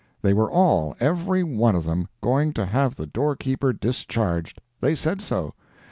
They were all—every one of them—going to have the doorkeeper discharged. They said so.